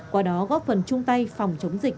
qua đó góp phần chung tay phòng chống dịch